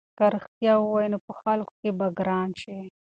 که رښتیا ووایې نو په خلکو کې به ګران شې.